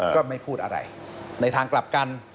ก็ไม่พูดอะไรในทางกลับกัน